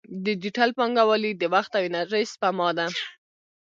ډیجیټل بانکوالي د وخت او انرژۍ سپما ده.